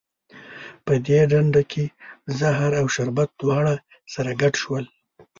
په دې ډنډه کې زهر او شربت دواړه سره ګډ شول.